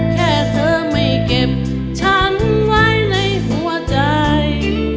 แค่เธอไม่เก็บฉันไว้ในหัวใจ